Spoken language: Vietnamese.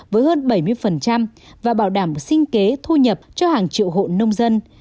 với hơn bảy mươi và bảo đảm sinh kế thu nhập cho hàng triệu hộ nông dân